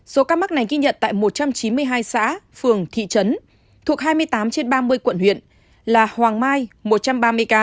số ca mắc này ghi nhận tại một trăm chín mươi hai xã phường thị trấn thuộc hai mươi tám trên ba mươi quận huyện là hoàng mai một trăm ba mươi ca